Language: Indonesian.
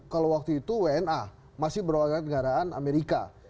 kalau waktu itu wna masih berwakil dengan negaraan amerika